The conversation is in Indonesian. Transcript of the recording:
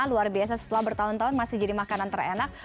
luar biasa setelah bertahun tahun masih jadi makanan terenak